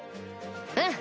うん。